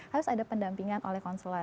harus ada pendampingan oleh konsulat